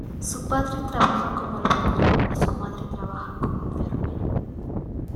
Su padre trabajaba como albañil y su madre trabajaba como enfermera.